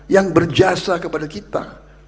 yang berjasa kepada kita